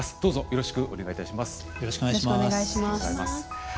よろしくお願いします。